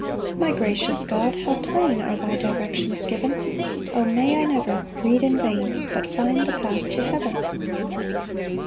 4 My gracious God, how plain Are thy directions given! O! may I never read in vain, But find the path to heaven!